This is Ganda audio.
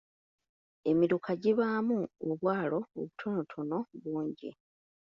Emiruka gibaamu obwalo obutonotono bungi.